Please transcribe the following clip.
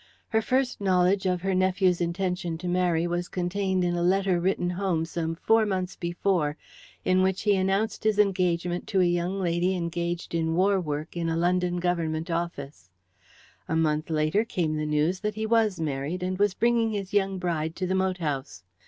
Her first knowledge of her nephew's intention to marry was contained in a letter written home some four months before, in which he announced his engagement to a young lady engaged in war work in a London Government office. A month later came the news that he was married, and was bringing his young bride to the moat house.